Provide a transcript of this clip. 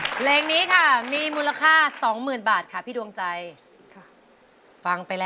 โปรดติดตามตอนต่อไป